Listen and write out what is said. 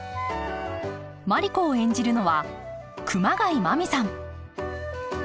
マリ子を演じるのは熊谷真実さん